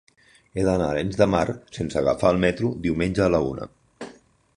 He d'anar a Arenys de Mar sense agafar el metro diumenge a la una.